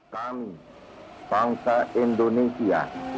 kami bangsa indonesia